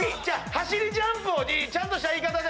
走りジャンプちゃんとした言い方で。